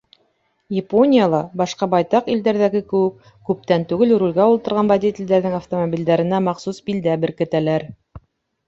Японияла, башҡа байтаҡ илдәрҙәге кеүек, күптән түгел рулгә ултырған водителдәрҙең автомобилдәренә махсус билдә беркетәләр.